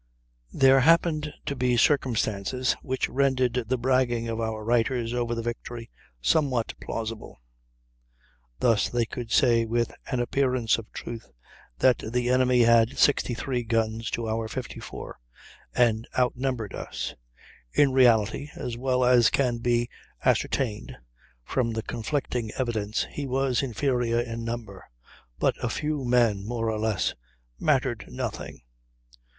There happened to be circumstances which rendered the bragging of our writers over the victory somewhat plausible. Thus they could say with an appearance of truth that the enemy had 63 guns to our 54, and outnumbered us. In reality, as well as can be ascertained from the conflicting evidence, he was inferior in number; but a few men more or less mattered nothing.